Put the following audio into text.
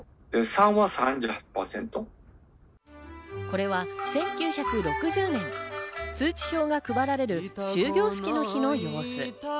これは１９６０年、通知表が配られる終業式の日の様子。